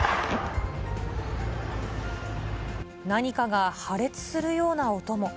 何かが破裂するような音も。